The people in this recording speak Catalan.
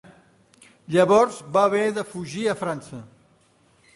Llavors va haver de fugir a França.